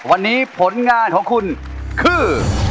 วันนี้ผลงานของคุณคือ